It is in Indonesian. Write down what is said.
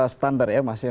standar ya masih